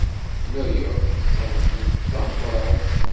New York d tamdint d tameqrant.